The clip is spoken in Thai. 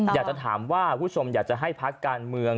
อยากจะถามว่าคุณผู้ชมอยากจะให้พักการเมือง